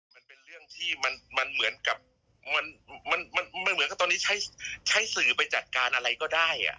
มันเป็นเรื่องที่มันเหมือนกับมันเหมือนกับตอนนี้ใช้สื่อไปจัดการอะไรก็ได้